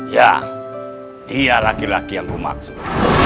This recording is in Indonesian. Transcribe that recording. ya dia laki laki yang kumaksud